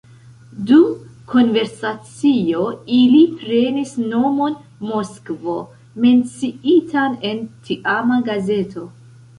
Dum konversacio ili prenis nomon Moskvo, menciitan en tiama gazeto.